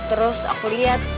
terus aku lihat